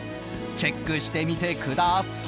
チェックしてみてください。